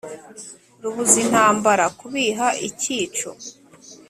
Rubuza intambara kubiha ikico